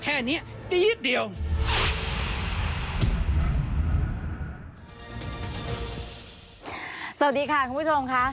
ภาษาอังกฤษ